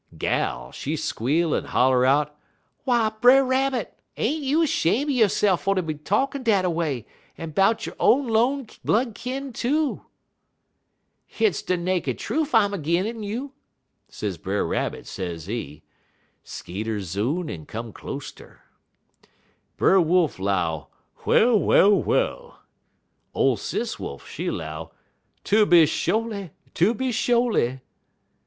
"Gal, she squeal en holler out: "'W'y, Brer Rabbit! ain't you 'shame' yo'se'f fer ter be talkin' dat a way, en 'bout yo' own 'lone blood kin too?' "'Hit's de naked trufe I'm a ginin' un you,' sez Brer Rabbit, sezee. (Skeeter zoon en come closeter.) "Brer Wolf 'low 'Well well well!' Ole Sis Wolf, she 'low 'Tooby sho'ly, tooby sho'ly!'